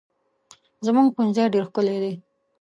زموږ ښوونځی ډېر ښکلی دی.